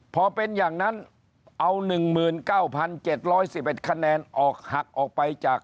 พอเป็นอย่างนั้นเอา๑๙๗๑๑คะแนนออกหักออกไปจาก